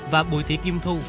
và bùi thị kim thu